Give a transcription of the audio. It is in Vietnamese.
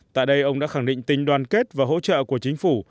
tại đây ông đã khẳng định tình đoàn kết và hỗ trợ của chính phủ